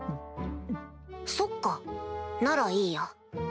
そっかならいいや。